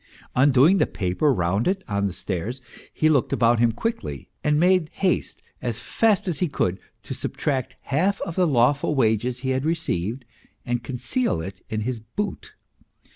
Undoing the paper round it on the stairs, he looked about him quickly, and made haste as fast as he could to subtract half of the lawful wages he had received and conceal it in his boot.